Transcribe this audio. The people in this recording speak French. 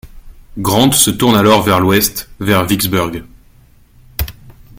Grant se tourne alors vers l’ouest, vers Vicksburg.